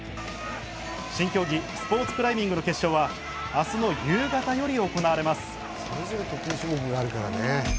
新競技スポーツクライミングの決勝は明日の夕方より行われます。